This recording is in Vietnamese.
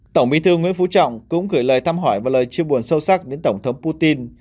tổng bí thư nguyễn phú trọng cũng gửi lời thăm hỏi và lời chia buồn sâu sắc đến tổng thống putin